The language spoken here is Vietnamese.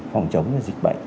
phòng chống dịch bệnh